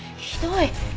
ひどい！